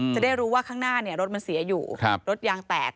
จะได้รู้ว่าข้างหน้ารถมันเสียอยู่รถยางแตก